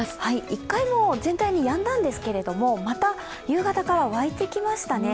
一回全体にやんだんですけれども、また夕方から湧いてきましたね。